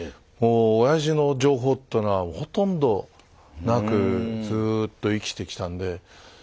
もうおやじの情報ってのはほとんどなくずっと生きてきたんで。